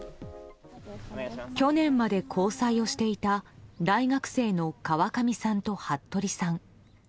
去年まで交際をしていた大学生の川上さんと服部さん。